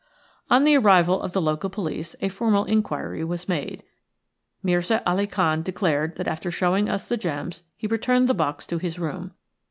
On the arrival of the local police a formal inquiry was made. Mirza Ali Khan declared that after showing us the gems he returned the box to his room.